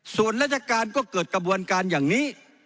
ส่วนราชการก็เกิดกระบวนการอย่างนี้